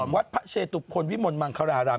วัดพระเชตุพลวิมลมังคาราราม